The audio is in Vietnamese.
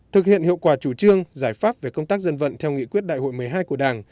thực hiện hiệu quả chủ trương giải pháp về công tác dân vận theo nghị quyết đại hội một mươi hai của đảng